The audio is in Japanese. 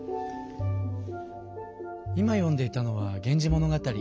今読んでいたのは「源氏物語」。